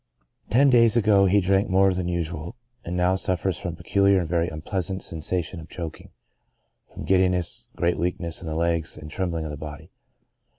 Ten days ago he drank more than usual, and now suffers from a peculiar and very unpleasant sensation of choking, from giddiness, great weakness in the legs, and trembling" of the body.